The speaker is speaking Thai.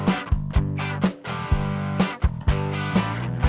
โอ้โอ้โอ้โอ้